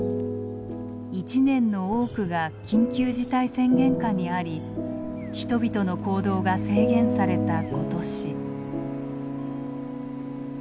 一年の多くが緊急事態宣言下にあり人々の行動が制限された今年。